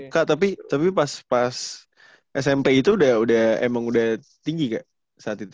kak tapi pas pas smp itu emang udah tinggi kak saat itu